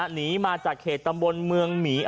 หนีมาจากเขตตำบลใหม่มี